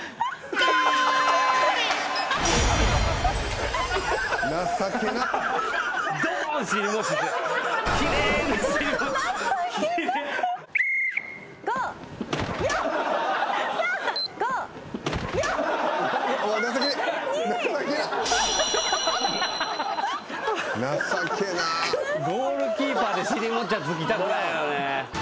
ゴールキーパーで尻もちはつきたくないよね。